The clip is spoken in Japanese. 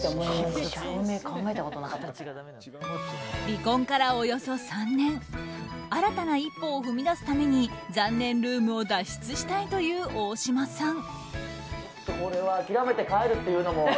離婚からおよそ３年新たな一歩を踏み出すために残念ルームを脱出したいという大島さん。